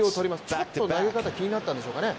ちょっと投げ方気になったんでしょうかね。